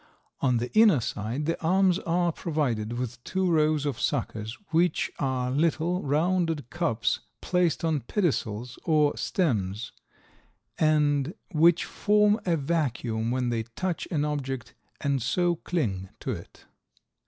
On the inner side, the arms are provided with two rows of suckers, which are little, rounded cups placed on pedicels or stems and which form a vacuum when they touch an object and so cling to it.